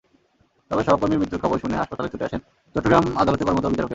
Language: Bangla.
তবে সহকর্মীর মৃত্যুর খবর শুনে হাসপাতালে ছুটে আসেন চট্টগ্রাম আদালতে কর্মরত বিচারকেরা।